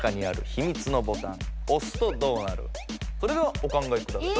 それではお考えください。